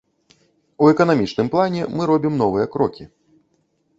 У эканамічным плане мы робім новыя крокі.